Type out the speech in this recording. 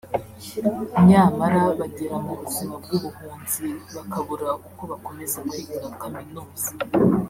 nyamara bagera mu buzima bw’ubuhunzi bakabura uko bakomeza kwiga kaminuza